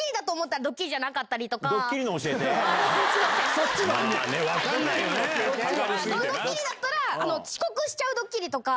ドッキリだったら、遅刻しちゃうドッキリとか。